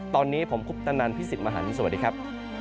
ตอนนี้ผมคุปตะนันพี่สิทธิ์มหันฯสวัสดีครับ